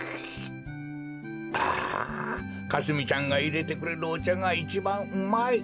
あかすみちゃんがいれてくれるおちゃがいちばんうまい。